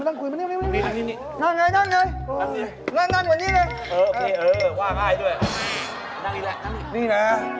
โอ๊ยก็วันนี้ค่ะ